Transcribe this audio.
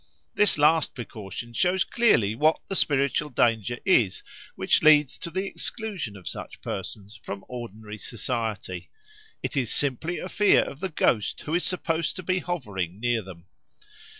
This last precaution shows clearly what the spiritual danger is which leads to the exclusion of such persons from ordinary society; it is simply a fear of the ghost who is supposed to be hovering near them.